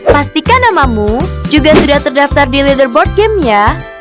pastikan namamu juga sudah terdaftar di leaderboard gamenya